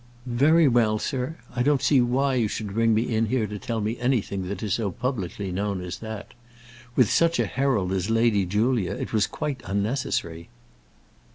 "Very well, sir. I don't see why you should bring me in here to tell me anything that is so publicly known as that. With such a herald as Lady Julia it was quite unnecessary."